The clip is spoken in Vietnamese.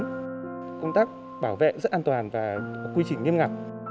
tuy nhiên khi lên đây thì cái công tác tập huấn công tác bảo vệ rất an toàn và quy trình nghiêm ngặt